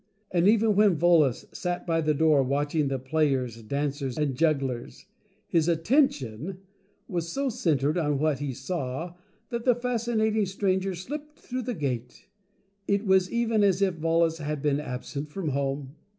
And even when Volos sat by the door watching the play ers, dancers, and jugglers, his ATTENTION was so centered on what he saw, that the Fascinating Stranger slipped through the Gate — it was even as if Volos had been absent from Home.